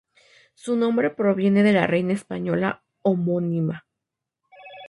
Su nombre proviene de la reina española homónima.